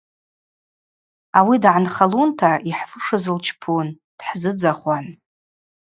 Ауи дгӏанхалунта йхӏфушыз лчпун, дхӏзыдзахуан.